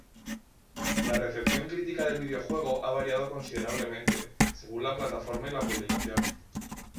La recepción crítica del videojuego ha variado considerablemente, según la plataforma y la publicación.